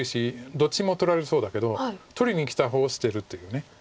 どっちも取られそうだけど取りにきた方を捨てるという。